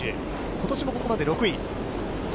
ことしもここまで６位。